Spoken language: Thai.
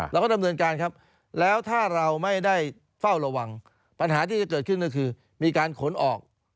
เราก็ดำเนินการครับแล้วถ้าเราไม่ได้เฝ้าระวังปัญหาที่จะเกิดขึ้นก็คือมีการขนออก